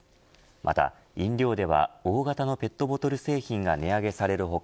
また飲料では大型のペットボトル製品が値上げされる他